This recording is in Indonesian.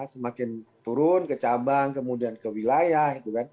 semakin turun ke cabang kemudian ke wilayah